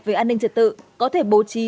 về an ninh trật tự có thể bố trí